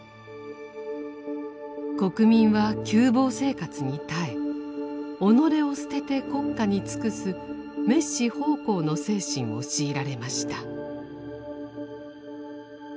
国民は窮乏生活に耐え己を捨てて国家に尽くす滅私奉公の精神を強いられました。